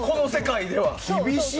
厳しい！